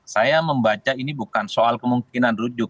saya membaca ini bukan soal kemungkinan rujuk